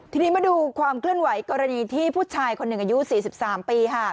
ทีนี้มาดูความเคลื่อนไหวกรณีที่ผู้ชายคนหนึ่งอายุ๔๓ปี